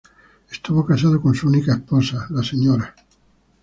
Estuvo casado con su única esposa, la Sra.